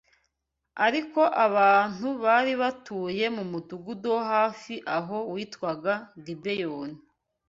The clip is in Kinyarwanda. Ariko abantu bari batuye mu mudugudu wo hafi aho witwaga Gibeyoni